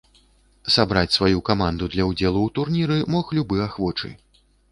Сабраць сваю каманду для ўдзелу ў турніры мог любы ахвочы.